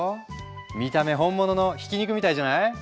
見た目本物のひき肉みたいじゃない？